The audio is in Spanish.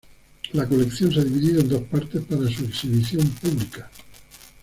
La colección se ha dividido en dos partes para su exhibición pública.